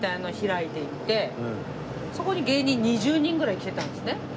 そこに芸人２０人ぐらい来てたんですね。